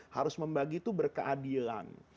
harus membagi itu berkeadilan